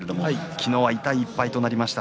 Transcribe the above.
昨日は痛い１敗となりました。